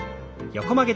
横曲げ。